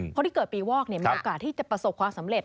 คนที่เกิดปีวอกมีโอกาสที่จะประสบความสำเร็จ